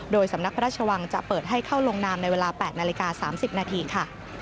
โดยสำนักพระราชวังจะเปิดให้เข้าลงนามในเวลา๘นาฬิกา๓๐นาทีค่ะ